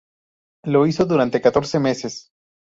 Lo hizo durante catorce meses.